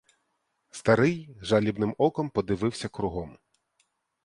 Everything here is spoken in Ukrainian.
Старий жалібним оком подивився кругом.